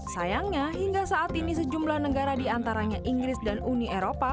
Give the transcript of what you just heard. sayangnya hingga saat ini sejumlah negara diantaranya inggris dan uni eropa